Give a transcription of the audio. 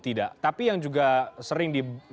tidak tapi yang juga sering di